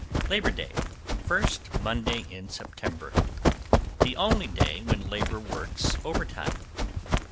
=LABOR DAY, First Monday in September.= The only day when labor works overtime.